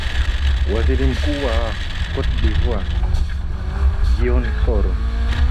ti ya waziri mkuu wa cote dvoire gion soroh